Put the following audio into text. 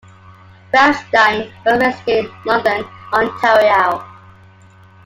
Grafstein was raised in London, Ontario.